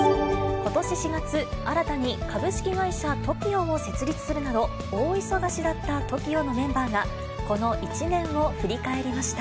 ことし４月、新たに株式会社ＴＯＫＩＯを設立するなど、大忙しだったＴＯＫＩＯのメンバーが、この１年を振り返りました。